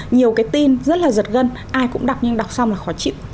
nhiều cái tin rất là giật gân ai cũng đọc nhưng đọc xong là khó chịu